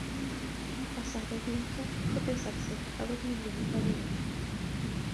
asaret notok kotesaksei ako milionit akenge